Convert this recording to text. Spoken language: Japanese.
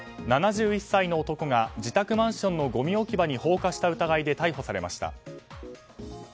７１歳の男が自宅マンションのごみ置き場に放火した疑いで逮捕されました。